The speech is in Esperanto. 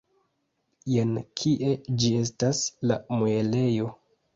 Jen kie ĝi estas, la muelejo!